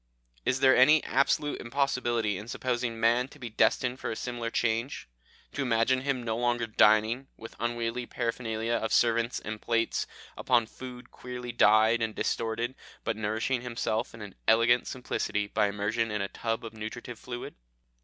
Is there any absolute impossibility in supposing man to be destined for a similar change; to imagine him no longer dining, with unwieldy paraphernalia of servants and plates, upon food queerly dyed and distorted, but nourishing himself in elegant simplicity by immersion in a tub of nutritive fluid?